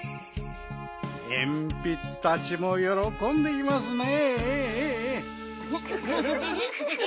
えんぴつたちもよろこんでいますね。